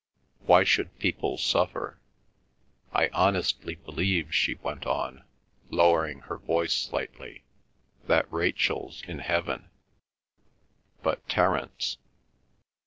Why should people suffer? I honestly believe," she went on, lowering her voice slightly, "that Rachel's in Heaven, but Terence.